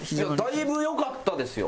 だいぶよかったですよ。